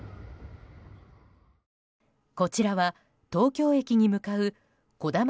こちらは東京駅に向かう「こだま」